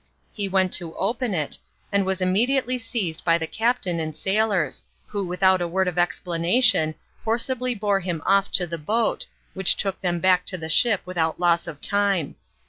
He went to open it, and was immediately seized by the captain and sailors, who without a word of explanation forcibly bore him off to the boat, which took them back to the ship without loss of time.